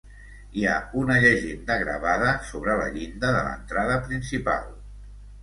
Hi ha una llegenda gravada sobre la llinda de l'entrada principal.